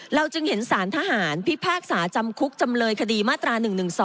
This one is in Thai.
จึงเห็นสารทหารพิพากษาจำคุกจำเลยคดีมาตรา๑๑๒